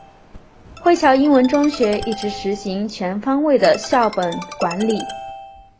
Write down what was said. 惠侨英文中学一直实行全方位的校本管理。